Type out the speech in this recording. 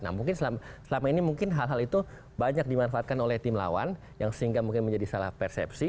nah mungkin selama ini mungkin hal hal itu banyak dimanfaatkan oleh tim lawan yang sehingga mungkin menjadi salah persepsi